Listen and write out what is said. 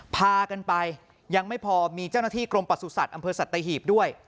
พากันไปยังไม่พอมีเจ้าหน้าที่กรมประสุทธิ์อำเภอสัตหีบด้วย